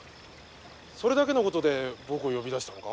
それだけのことで僕を呼び出したのか？